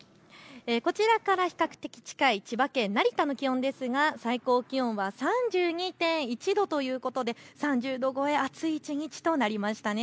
こちらから比較的近い千葉県成田の気温ですが、最高気温は３２．１度ということで３０度超え、暑い一日となりましたね。